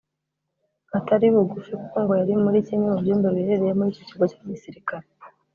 atari bugufi kuko ngo yari muri kimwe mu byumba biherereye muri icyo kigo cya gisirikare